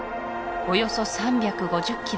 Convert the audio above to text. およそ３５０ｋｍ